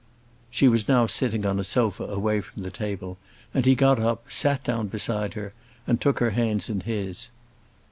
She was now sitting on a sofa away from the table, and he got up, sat down beside her, and took her hands in his.